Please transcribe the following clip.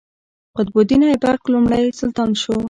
قطب الدین ایبک لومړی سلطان شو.